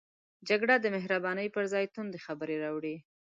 جګړه د مهربانۍ پر ځای توندې خبرې راوړي